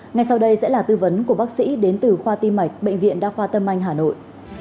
ngay sau đây sẽ là tư vấn của bác sĩ đến từ khoa tim mạch bệnh viện đa khoa tâm anh hà nội